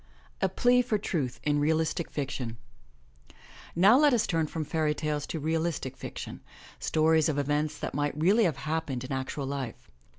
A PLEA FOR TRUTH IN REALISTIC FICTION OW let us turn from fairy tales to realistic fiction, stories of events that might really have happened in actual life.